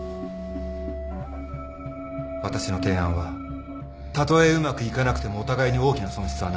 私の提案はたとえうまくいかなくてもお互いに大きな損失はない。